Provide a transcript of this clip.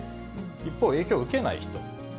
一方、影響を受けない人。